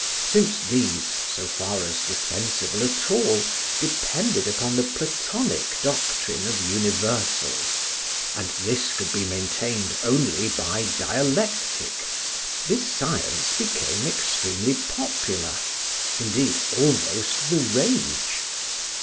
Since these, so far as defensible at all, depended upon the Platonic doctrine of universals, and this could be maintained only by dialectic, this science became extremely popular, indeed, almost the rage.